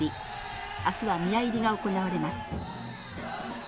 あすは宮入が行われます。